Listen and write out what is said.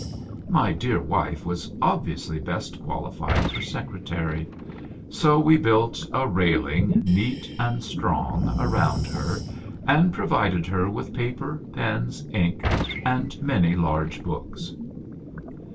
My dear wife was obviously best qualified for Secre tary. So we built a railing, neat and strong, around her, and provided her with paper, pens, ink, and many large books.